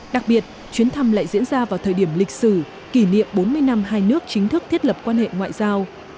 đặc biệt chuyến thăm lại diễn ra vào thời điểm lịch sử kỷ niệm bốn mươi năm hai nước chính thức thiết lập quan hệ ngoại giao